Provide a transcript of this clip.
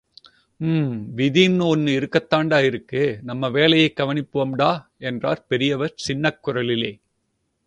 ம்... விதின்னு ஒண்னு இருக்கத்தாண்டா இருக்கு!... நம்ம வேலையைக் கவனிப்போம்டா என்றார், பெரியவர் சின்னக் குரலிலே!